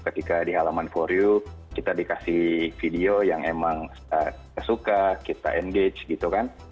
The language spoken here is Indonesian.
ketika di halaman for you kita dikasih video yang emang suka kita engage gitu kan